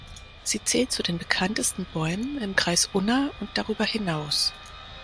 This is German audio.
Sie zählt zu den bekanntesten Bäumen im Kreis Unna und darüber hinaus.